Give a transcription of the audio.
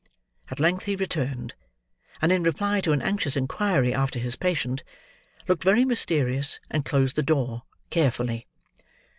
At length he returned; and in reply to an anxious inquiry after his patient; looked very mysterious, and closed the door, carefully.